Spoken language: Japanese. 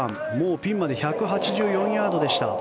ピンまで１８４ヤードでした。